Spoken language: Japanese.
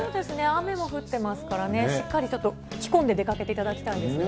雨も降ってますからね、しっかり着込んで出かけていただきたいですね。